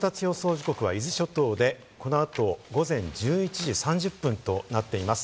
時刻は伊豆諸島でこの後、午前１１時３０分となっています。